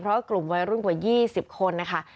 เพราะว่ากลุ่มวัยรุ่นกว่า๒๐คนนะคะ